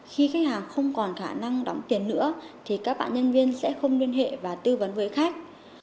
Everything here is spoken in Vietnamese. khi khách hàng không còn khả năng đóng tiền nữa thì các bạn nhân viên sẽ không liên hệ và tư vấn với khách